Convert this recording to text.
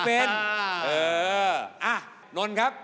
เออนนท์ครับ